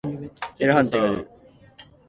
エラー判定が出る。